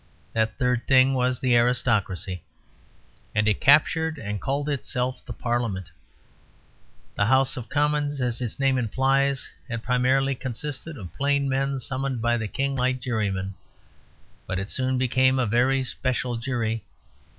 That third thing was the aristocracy; and it captured and called itself the Parliament. The House of Commons, as its name implies, had primarily consisted of plain men summoned by the King like jurymen; but it soon became a very special jury.